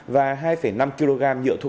và hai năm kg